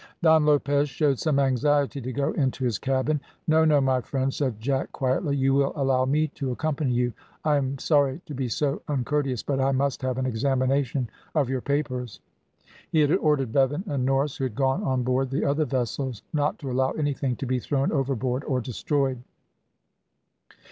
Don Lopez showed some anxiety to go into his cabin. "No, no, my friend," said Jack quietly, "you will allow me to accompany you. I am sorry to be so uncourteous, but I must have an examination of your papers." He had ordered Bevan and Norris, who had gone on board the other vessels, not to allow anything to be thrown overboard or destroyed.